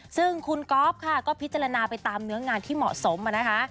ซึ่งคุณก๊อฟค่ะก็พิจารณาไปตามเนื้องานที่เหมาะสมนะคะ